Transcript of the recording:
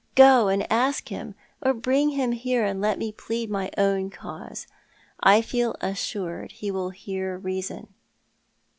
Go and ask him — or bring him here and let me plead my own cause. T feel assured he will hear reason."